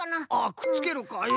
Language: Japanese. あっくっつけるか。